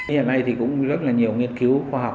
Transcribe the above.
hiện nay thì cũng rất là nhiều nghiên cứu khoa học